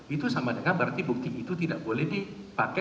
itu sama dengan berarti bukti itu tidak boleh dipakai